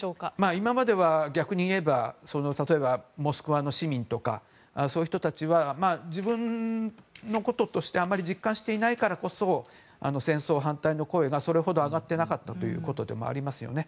今までは逆に言えば例えば、モスクワの市民とかそういう人たちは自分のこととしてあまり実感していないからこそ戦争反対の声がそれほど上がっていなかったということでもありますよね。